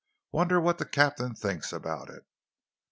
Wonder what the captain thinks about it."